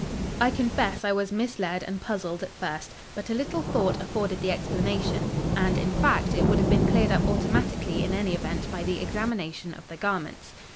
I confess I was misled and puzzled at first, but a little thought afforded the explanation, and, in fact, it would have been cleared up automatically in any event by the examination of the garments.